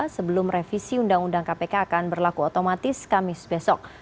sebelum revisi undang undang kpk akan berlaku otomatis kamis besok